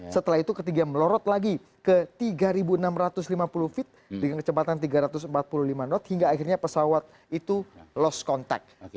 setelah itu ketiga melorot lagi ke tiga enam ratus lima puluh feet dengan kecepatan tiga ratus empat puluh lima knot hingga akhirnya pesawat itu lost contact